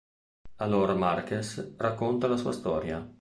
Allora Márquez racconta la sua storia.